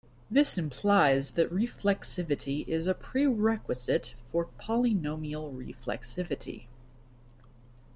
This implies that reflexivity is a prerequisite for polynomial reflexivity.